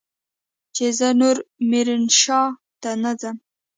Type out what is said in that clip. چې زه نور ميرانشاه ته نه ځم.